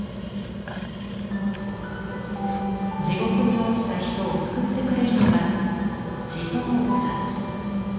地獄に落ちた人を救ってくれるのが地蔵菩。